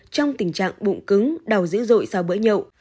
trong tình trạng bụng cứng đào dữ dội sau bữa nhậu